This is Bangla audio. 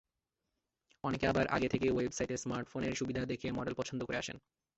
অনেকে আবার আগে থেকেই ওয়েবসাইটে স্মার্টফোনের সুবিধা দেখে মডেল পছন্দ করে আসেন।